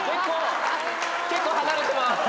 結構離れてます！